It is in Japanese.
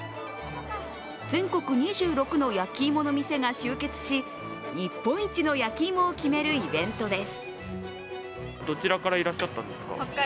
全国２６の焼き芋の店が集結し日本一の焼き芋を決めるイベントです。